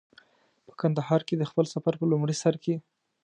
په کندهار کې د خپل سفر په لومړي سر کې.